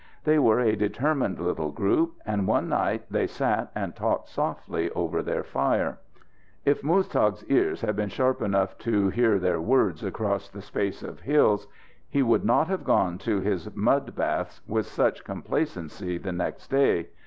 They were a determined little group, and one night they sat and talked softly over their fire. If Muztagh's ears had been sharp enough to hear their words across the space of hills, he wouldn't have gone to his mud baths with such complacency the next day.